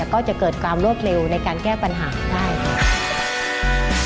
ก็จะเกิดความรวดเร็วในการแก้ปัญหาได้ค่ะ